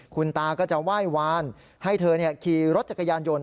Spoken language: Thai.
คุณตาก็จะไหว้วานให้เธอขี่รถจักรยานยนต์